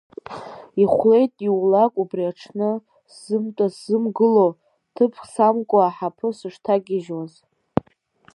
Ихәлеит иаулак убри аҽны, сзымтәа-зымгыло, ҭыԥк самкуа аҳаԥы сышҭагьежьуаз.